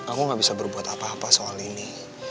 aku gak bisa berbuat apa apa soal ini